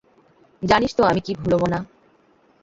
জানিস তো আমি কি ভুলো মনা।